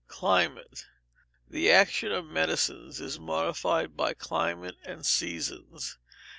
Climate. The action of medicines is modified by climate and seasons.